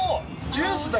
ジュースだ。